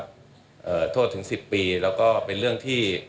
โทษถึงสิบปีแล้วก็เป็นเรื่องที่